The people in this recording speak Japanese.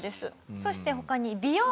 そして他に美容。